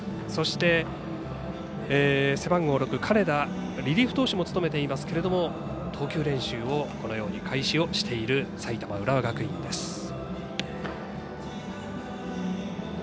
そして背番号６、金田リリーフ投手も務めていますけれども投球練習を開始をしている埼玉、浦和学院です。